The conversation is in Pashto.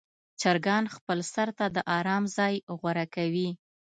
چرګان خپل سر ته د آرام ځای غوره کوي.